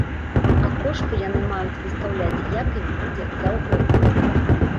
А кошты яны маюць выстаўляць як ім будзе заўгодна.